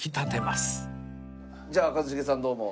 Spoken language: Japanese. じゃあ一茂さんどうも。